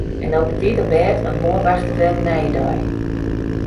En no betiid op bêd want moarn wachtet wer in nije dei.